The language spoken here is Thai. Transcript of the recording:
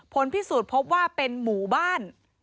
พิสูจน์พบว่าเป็นหมู่บ้าน